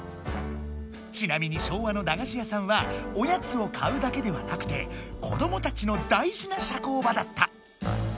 ちなみに昭和のだがし屋さんはおやつを買うだけではなくて子どもたちのだいじな社交場だった。